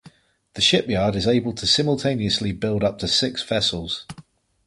The shipyard is able to simultaneously build up to six vessels.